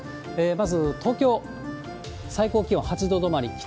まず東京、最高気温８度止まり。